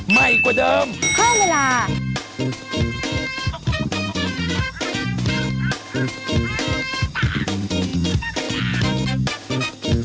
ไม่อีกกว่าเดิม